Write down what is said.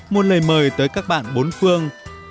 một lời mời tới các bạn bốn phương